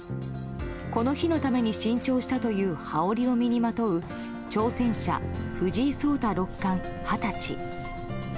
この日のために新調したという羽織を身にまとう挑戦者・藤井聡太六冠、二十歳。